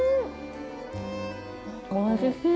おいしい。